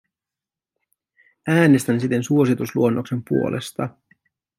Äänestän siten suositusluonnoksen puolesta.